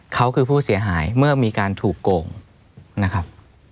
เขาคือผู้เสียหายเมื่อมีการถูกโกงนะครับ